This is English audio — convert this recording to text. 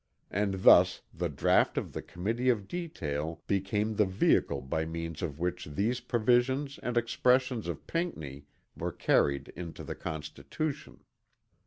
And thus the draught of the Committee of Detail became the vehicle by means of which these provisions and expressions of Pinckney were carried into the Constitution.